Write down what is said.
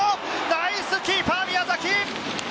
ナイスキーパー・宮崎！